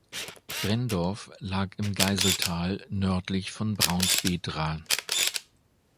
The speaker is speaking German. Benndorf lag im Geiseltal nördlich von Braunsbedra.